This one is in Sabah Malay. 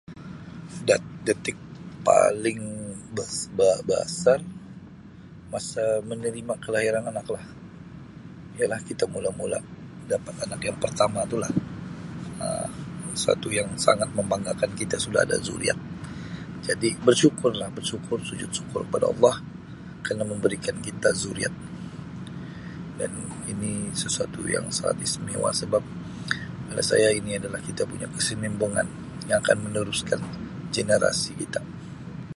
Dat detik paling be-be-besar masa menerima kelahiran anak lah ya lah kita mula-mula mendapat anak yang pertama tu lah Um masa tu yang sangat membanggakan kita sudah ada zuriat jadi bersyukurlah bersyukur sujud syukur pada Allah kerna memberikan kita zuriat dan ini sesuatu yang sangat istimewa sebab pada saya ini adalah kita punya kesinimbungan yang akan meneruskan generasi kita.